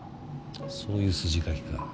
そういう筋書きか。